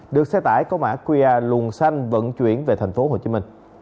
được xe tải có mã qr luồng xanh vận chuyển về tp hcm